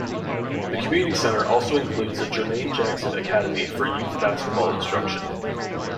The community center also includes the Jermaine Jackson Academy for youth basketball instruction.